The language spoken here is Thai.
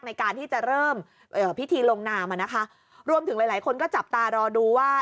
ในการที่จะเริ่มเอ่อพิธีลงนามอ่ะนะคะรวมถึงหลายหลายคนก็จับตารอดูว่า